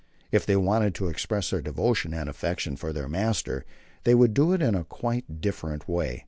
If they wanted to express their devotion and affection for their master, they would do it in a quite different way.